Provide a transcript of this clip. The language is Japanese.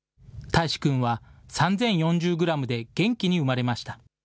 替詞君は、３０４０グラムで元気に産まれました。